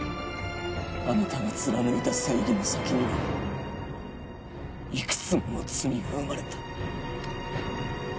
あなたが貫いた正義の先にはいくつもの罪が生まれた。